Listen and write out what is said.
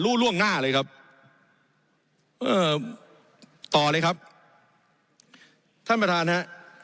ล่วงหน้าเลยครับเอ่อต่อเลยครับท่านประธานฮะ